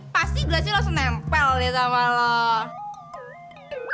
pasti glesio langsung nempel deh sama lo